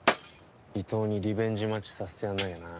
伊藤にリベンジマッチさせてやんなきゃな。